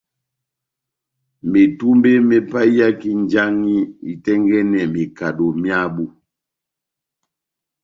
Metumbe me paiyaki njaŋhi itɛ́ngɛ́nɛ mekado myábu.